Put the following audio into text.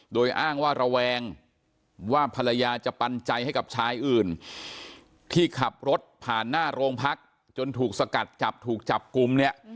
โดยอ้างว่าระแวงว่าภรรยาจะปันใจให้กับชายอื่นที่ขับรถผ่านหน้าโรงพักจนถูกสกัดจับถูกจับกลุ่มเนี่ย